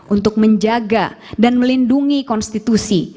untuk menjaga dan melindungi konstitusi